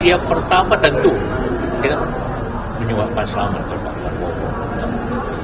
yang pertama tentu menyebabkan selamat kepada pak prabowo